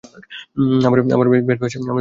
আমার band master ভালোই চলছিলো।